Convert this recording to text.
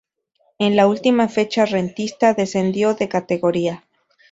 En la última fecha Rentistas descendió de categoría.